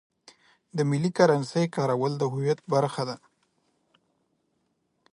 د ملي کرنسۍ کارول د هویت برخه ده.